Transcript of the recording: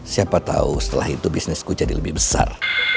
siapa tahu setelah itu bisnisku jadi lebih besar